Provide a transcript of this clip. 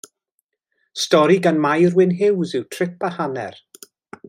Stori gan Mair Wynn Hughes yw Trip a Hanner.